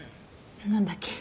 何だっけ？